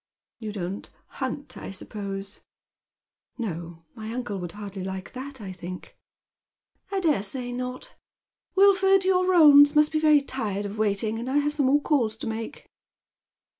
" You don't hunt, I suppose ?"" No, my uncle would hardly like that, I think." " I dare say not. Wilf ord, your roans must be very tired of waiting, and I have some more calls to make."